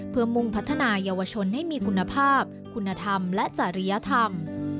เพื่อมุ่งพัฒนายาวชนให้มีคุณภาพคุณธรรมและจริยธรรม